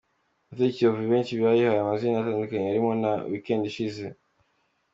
Hoteli Kiyovu benshi bayihaye amazina atandukanye arimo na Weekend ishize.